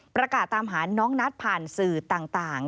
ประกาศตามหาน้องนัทผ่านสื่อต่าง